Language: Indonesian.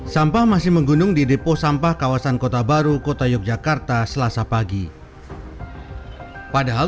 sampah masih menggunung di depo sampah kawasan kota baru kota yogyakarta selasa pagi padahal